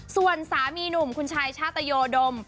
ส่วนสามีหนุ่มคุณชายชาตโยดม